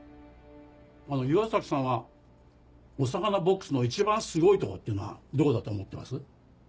岩崎さんはお魚ボックスの一番すごいとこっていうのはどこだと思ってます？